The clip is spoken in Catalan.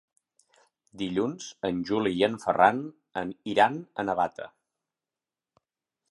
Dilluns en Juli i en Ferran iran a Navata.